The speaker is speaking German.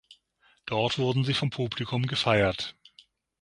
Dort wurden sie vom Publikum gefeiert.